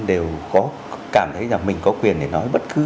đều có cảm thấy là mình có quyền để nói bất cứ